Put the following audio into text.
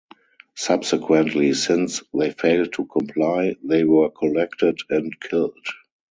Subsequently, since they failed to comply, they were collected and killed.